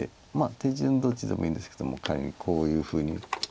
手順どっちでもいいんですけども仮にこういうふうに。